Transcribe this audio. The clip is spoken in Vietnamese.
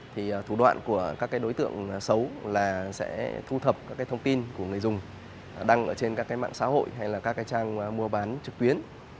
thì thủ đoạn của các đối tượng xấu là sẽ thu thập các thông tin của người dùng đăng ở trên các mạng xã hội hay là các trang mua bán trực tuyến